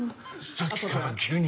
さっきから急に。